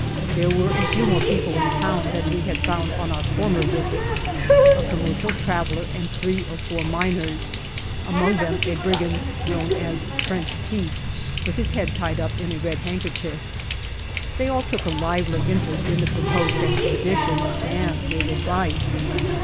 There were a few more people in town than we had found on our former visit, a commercial traveler and three or four miners, among them a brigand known as French Pete, with his head tied up in a red handkerchief. They all took a lively inter est in the proposed expedition and gave advice.